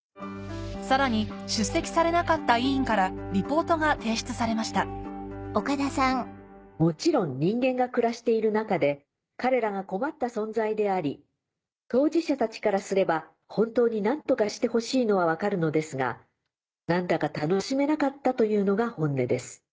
さらに出席されなかった委員からリポートが提出されました「もちろん人間が暮らしている中で彼らが困った存在であり当事者たちからすれば本当に何とかしてほしいのは分かるのですが何だか楽しめなかったというのが本音です。